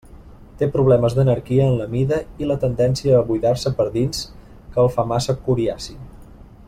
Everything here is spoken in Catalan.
Té problemes d'anarquia en la mida i la tendència a buidar-se per dins que el fa massa coriaci.